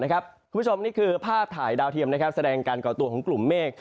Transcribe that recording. คุณผู้ชมนี่คือภาพถ่ายดาวเทียมแสดงการก่อตัวของกลุ่มเมฆ